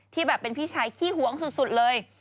แบบเป็นพี่ชายขี้หวงสุดเลย